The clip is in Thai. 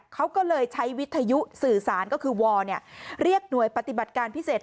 เขาก็เลยใช้วิทยุสื่อสารก็คือวเรียกหน่วยปฏิบัติการพิเศษ